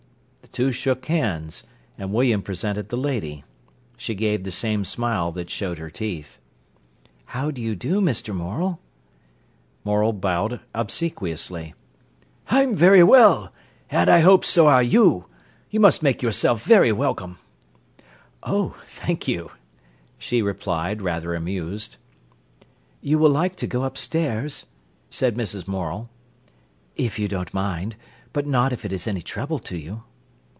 The two shook hands, and William presented the lady. She gave the same smile that showed her teeth. "How do you do, Mr. Morel?" Morel bowed obsequiously. "I'm very well, and I hope so are you. You must make yourself very welcome." "Oh, thank you," she replied, rather amused. "You will like to go upstairs," said Mrs. Morel. "If you don't mind; but not if it is any trouble to you."